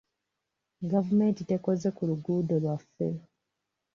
Gavumenti tekoze ku luguuddo lwaffe